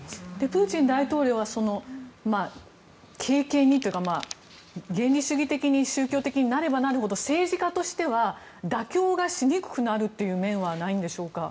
プーチン大統領は軽々にというか原理主義的に宗教的になればなるほど政治家としては妥協しにくくなるという点はないのでしょうか？